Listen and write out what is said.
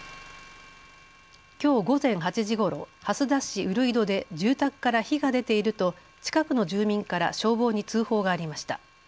きょう午前８時ごろ蓮田市閏戸で住宅から火が出ていると近くの住民から消防に通報がありました。